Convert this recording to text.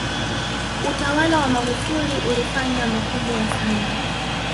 utawala wa Magufuli ulifanya makubwa sana